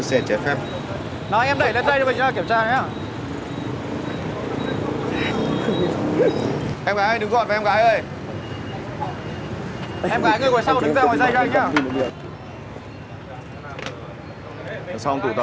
sau ba mươi phút